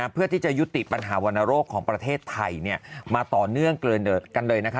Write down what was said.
เพื่อที่จะยุติปัญหาวรรณโรคของประเทศไทยมาต่อเนื่องกันเลยนะคะ